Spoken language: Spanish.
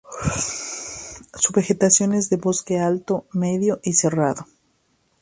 Su vegetación es de bosque alto, medio y cerrado.